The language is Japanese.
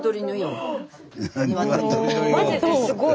すごい。